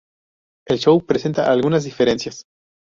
El show presenta algunas diferencias.